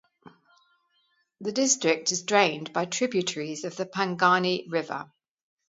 The district is drained by tributaries of the pangani river.